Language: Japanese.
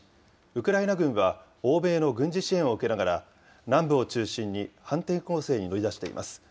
ウクライナ軍は欧米の軍事支援を受けながら、南部を中心に反転攻勢に乗り出しています。